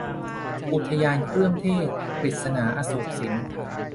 อุทยานเครื่องเทศ - กฤษณา อโศกสิน